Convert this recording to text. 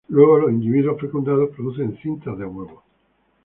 Luego los individuos fecundados producen cintas de huevos.